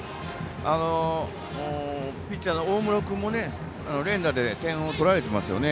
ピッチャーの大室君も連打で点を取られてますよね。